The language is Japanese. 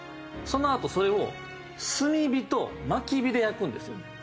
そのあとそれを炭火と薪火で焼くんですよね。